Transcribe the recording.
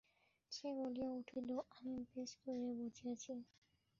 সে বলিয়া উঠিল, আমি বেশ করিয়া বুঝিয়াছি।